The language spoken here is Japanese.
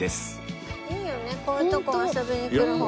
いいよねこういうとこ遊びに来る方が。